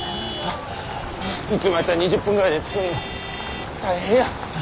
いつもやったら２０分ぐらいで着くのに大変や。